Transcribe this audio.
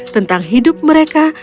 tentang hidup mereka